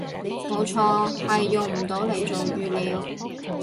冇錯，係用唔到嚟做語料